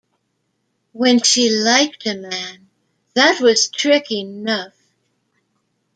When she liked a man, that was trick enough.